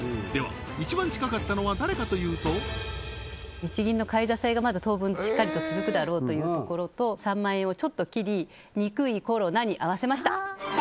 では一番近かったのは誰かというと日銀の買い支えがまだ当分しっかりと続くだろうというところと３万円をちょっと切り「憎いコロナ」に合わせました